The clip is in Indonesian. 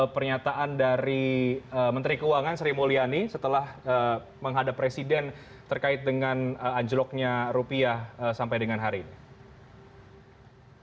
pernyataan dari menteri keuangan sri mulyani setelah menghadap presiden terkait dengan anjloknya rupiah sampai dengan hari ini